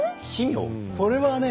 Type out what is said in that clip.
これはね